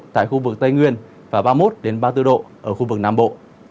tại khu vực tây nguyên và ba mươi một ba mươi bốn độ ở khu vực nam bộ